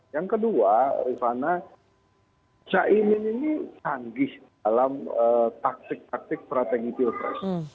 yang kedua rifana caimin ini canggih dalam taktik taktik strategi pilpres